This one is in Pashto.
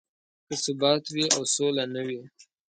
که ثبات وي او سوله نه وي.